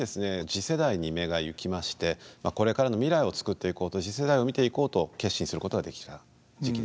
次世代に目が行きましてこれからの未来を作っていこうと次世代を見ていこうと決心することができた時期でした。